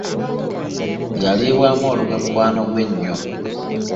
Yalibwamu olukwe mukwano gwe ennyo.